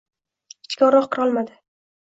Ichkariroq kirolmadi.